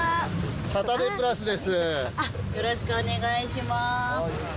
よろしくお願いします。